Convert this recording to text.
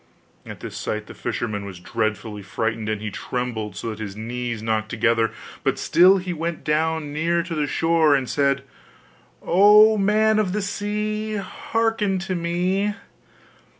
At this sight the fisherman was dreadfully frightened, and he trembled so that his knees knocked together: but still he went down near to the shore, and said: 'O man of the sea! Hearken to me!